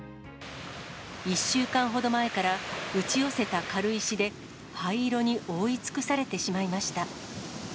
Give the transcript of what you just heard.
１週間ほど前から、打ち寄せた軽石で灰色に覆い尽くされてしまいました。